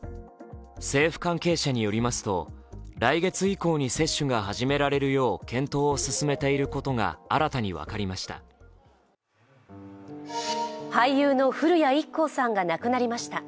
政府関係者によりますと来月以降に接種が始められるよう検討を進めていることが新たに分かりました。